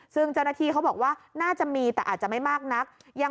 ซึ่งเจ้าหน้าที่เขาบอกว่าน่าจะมีแต่อาจจะไม่มากนัก